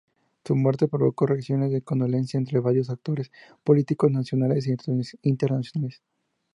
Su muerte provocó reacciones de condolencia entre varios actores políticos nacionales e internacionales.